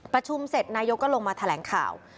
ประชุมเสร็จนายกก็ลงมาแถลงข่าว